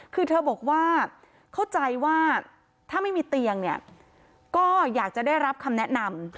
คือเธอบอกว่าเข้าใจว่าถ้าไม่มีเตียงเนี่ยก็อยากจะได้รับคำแนะนำ